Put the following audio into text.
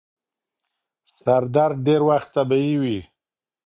سردرد ډير وخت طبیعي وي.